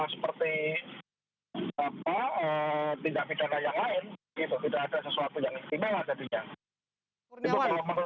itu kalau menurut saya sih gitu